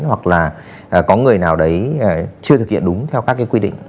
hoặc là có người nào đấy chưa thực hiện đúng theo các cái quy định